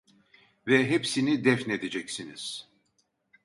Ve hepsini defnedeceksiniz…